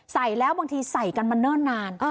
ใส่แล้วบางทีใส่กันมาเนิ่นนาน